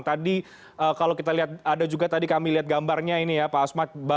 tadi kalau kita lihat ada juga tadi kami lihat gambarnya ini ya pak asmat